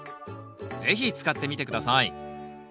是非使ってみて下さい。